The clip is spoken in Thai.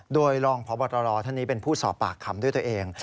โดยรองพบตรท่านนี้เป็นผู้สอบปากคำด้วยตัวเอง